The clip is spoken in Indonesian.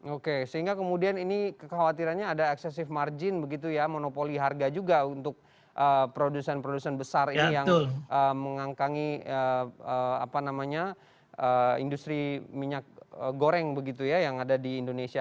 oke sehingga kemudian ini kekhawatirannya ada excessive margin begitu ya monopoli harga juga untuk produsen produsen besar ini yang mengangkangi industri minyak goreng begitu ya yang ada di indonesia